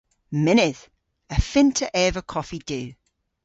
Mynnydh. Y fynn'ta eva koffi du.